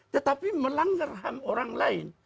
tetapi melanggar ham orang lain